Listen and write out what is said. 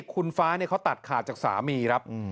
คุณฟ้าเขาตัดขาดจากสามีครับ